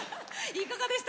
いかがでした？